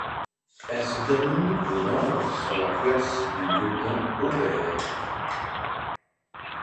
Elle se termine au nord sur la place du Lieutenant-Aubert.